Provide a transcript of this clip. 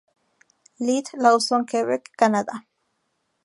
Ltd., Lauzon, Quebec, Canadá.